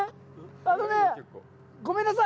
あのね、ごめんなさい！